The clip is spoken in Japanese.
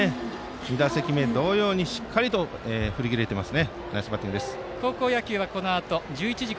２打席目同様にしっかり振りきれています。